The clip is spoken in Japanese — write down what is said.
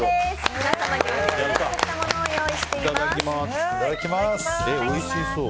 皆さんには別で作ったものをご用意しております。